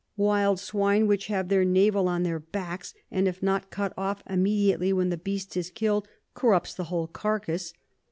Wild Swine which have their Navel on their backs, and if not cut off immediately when the Beast is kill'd, corrupts the whole Carcase.